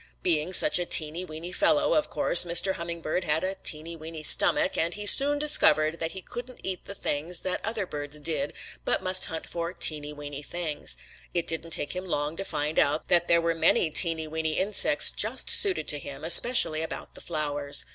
Being such a teeny, weeny fellow, of course Mr. Hummingbird had a teeny, weeny stomach, and he soon discovered that he couldn't eat the things that other birds did but must hunt for teeny, weeny things. It didn't take him long to find out that there were many teeny, weeny insects just suited to him, especially about the flowers.